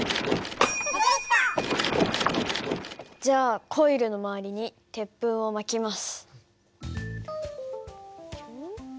じゃあコイルのまわりに鉄粉をまきます。